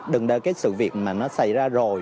đừng đợi cái sự việc mà nó xảy ra rồi